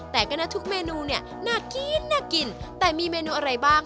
แต่ก็นะทุกเมนูน่ากินแต่มีเมนูอะไรบ้าง